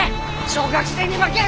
小学生に負けるか！